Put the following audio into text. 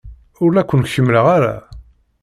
Ur la ken-kemmreɣ ara.